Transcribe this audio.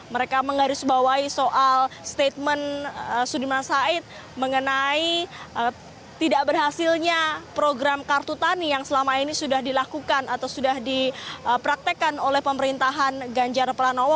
mereka menggarisbawahi soal statement sudirman said mengenai tidak berhasilnya program kartu tani yang selama ini sudah dilakukan atau sudah dipraktekkan oleh pemerintahan ganjar pranowo